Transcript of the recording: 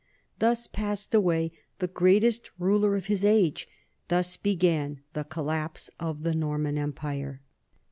Thus passed away the greatest ruler of his age; thus began the collapse of the Norman empire.